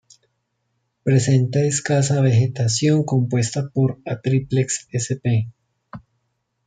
Presenta escasa vegetación compuesta por "Atriplex sp.".